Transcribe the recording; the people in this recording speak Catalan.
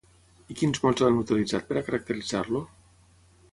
I quins mots han utilitzat per a caracteritzar-lo?